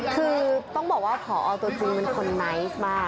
คือต้องบอกว่าผอตัวจริงเป็นคนไนท์มาก